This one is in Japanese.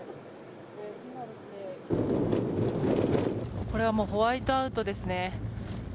これはもうホワイトアウトですね。